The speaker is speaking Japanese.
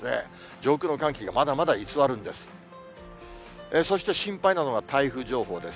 上空の寒気がまだまだ居座るんです。